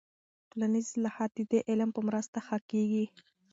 ټولنیز اصلاحات د دې علم په مرسته ښه کیږي.